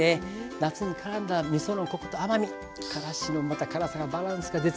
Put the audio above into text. なすにからんだみそのコクと甘みからしのまた辛さがバランスが絶妙です。